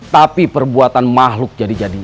tapi perbuatan makhluk jadi jadi